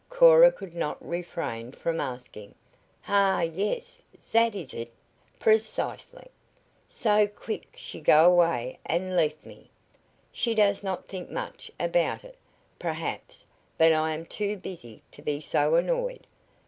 Cora could not refrain from asking. "Ha! Yes! Zat is eet. Precisely. So quickly she go away an' leaf me. She does not think much about it, perhaps, but I am too busy to be so annoyed.